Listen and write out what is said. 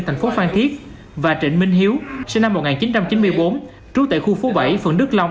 thành phố phan thiết và trịnh minh hiếu sinh năm một nghìn chín trăm chín mươi bốn trú tại khu phố bảy phường đức long